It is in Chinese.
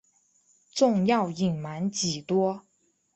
仲要隐瞒几多？